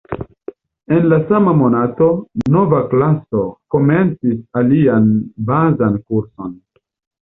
En la sama monato, nova klaso komencis alian bazan kurson.